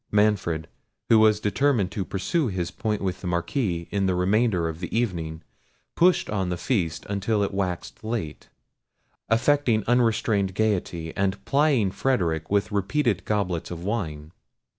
Manfred, who was determined to pursue his point with the Marquis in the remainder of the evening, pushed on the feast until it waxed late; affecting unrestrained gaiety, and plying Frederic with repeated goblets of wine.